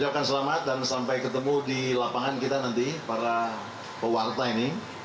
ucapkan selamat dan sampai ketemu di lapangan kita nanti para pewarta ini